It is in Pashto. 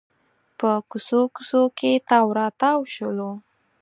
په کوڅو کوڅو کې تاو راتاو شولو.